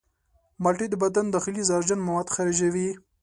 مالټې د بدن داخلي زهرجن مواد خارجوي.